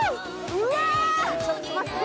うわ！